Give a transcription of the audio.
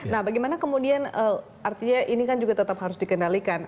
nah bagaimana kemudian artinya ini kan juga tetap harus dikendalikan